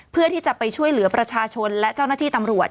เพื่อที่จะไปช่วยเหลือประชาชนและเจ้าหน้าที่ตำรวจ